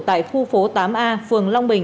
tại khu phố tám a phường long bình